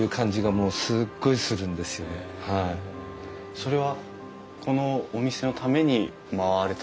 それはこのお店のために回られた？